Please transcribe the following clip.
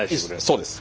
そうです。